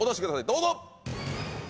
どうぞ。